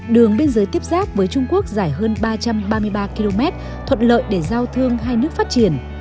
đường biên giới tiếp giáp với trung quốc dài hơn ba trăm ba mươi ba km thuận lợi để giao thương hai nước phát triển